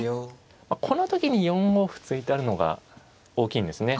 この時に４五歩突いてあるのが大きいんですね。